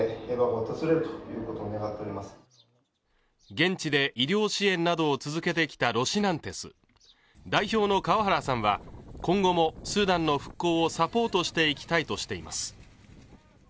現地で医療支援などを続けてきたロシナンテス代表の川原さんは、今後もスーダンの復興をサポートしていきたいとしています。